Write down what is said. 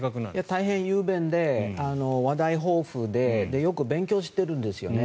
大変雄弁で話題豊富でよく勉強しているんですよね。